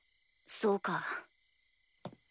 そうか。